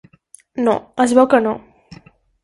No, es veu que no.